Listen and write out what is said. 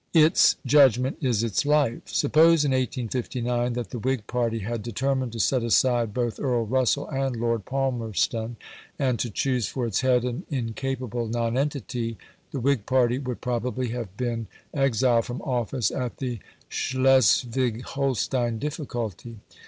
Its judgment is its life. Suppose in 1859 that the Whig party had determined to set aside both Earl Russell and Lord Palmerston and to choose for its head an incapable nonentity, the Whig party would probably have been exiled from office at the Schleswig Holstein difficulty.